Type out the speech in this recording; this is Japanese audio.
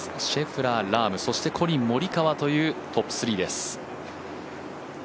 シェフラー、ラームそしてコリン・モリカワというトップ３です。